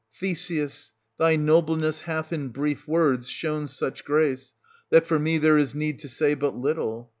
Theseus, thy nobleness hath in brief words 570 shown such grace that for me there is need to say but little.